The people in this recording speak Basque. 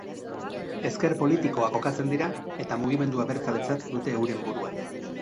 Ezker politikoa kokatzen dira, eta mugimendu abertzaletzat dute euren burua.